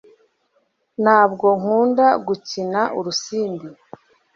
ntabwo nkunda gukina urusimbi